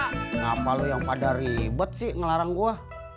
kenapa lu yang pada ribet sih ngelarang gua